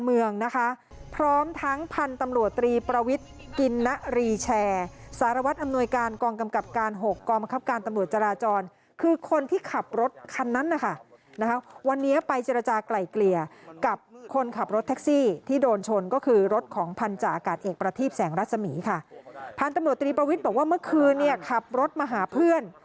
บอกว่าเมื่อคืนนี้ขับรถมาหาเพื่อน